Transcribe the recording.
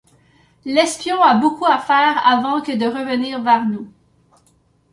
L'espion a beaucoup à faire avant que de revenir vers nous.